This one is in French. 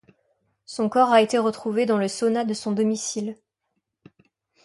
Son corps a été retrouvé dans le sauna de son domicile.